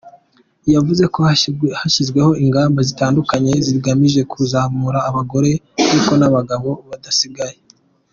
Yavuze ko hashyizweho ingamba zitandukanye zigamije kuzamura abagore ,ariko n’abagabo badasigaye.